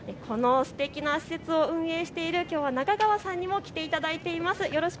このすてきな施設を運営している中川さんにも来ていただいています。